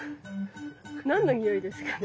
何のにおいですかね？